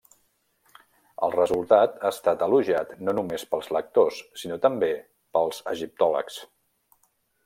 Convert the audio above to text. El resultat ha estat elogiat no només pels lectors sinó també pels egiptòlegs.